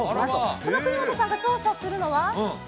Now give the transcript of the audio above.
その国本さんが調査するのは。